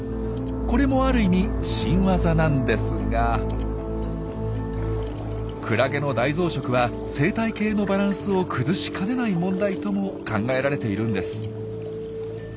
これもある意味新ワザなんですがクラゲの大増殖は生態系のバランスを崩しかねない問題とも考えられているんです。